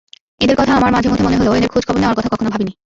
এঁদের কথা আমার মাঝেমধ্যে মনে হলেও এঁদের খোঁজখবর নেওয়ার কথা কখনো ভাবিনি।